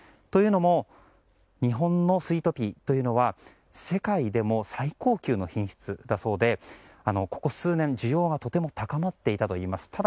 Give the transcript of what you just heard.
というのも日本のスイートピーは世界でも最高級の品質だそうでここ数年、需要がとても高まっていたといいます。